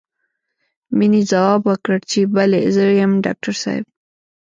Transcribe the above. مينې ځواب ورکړ چې بلې زه يم ډاکټر صاحب.